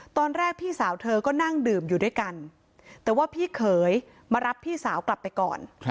พี่สาวเธอก็นั่งดื่มอยู่ด้วยกันแต่ว่าพี่เขยมารับพี่สาวกลับไปก่อน